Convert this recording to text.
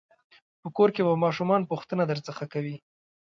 په کور کې به ماشومان پوښتنه درڅخه کوي.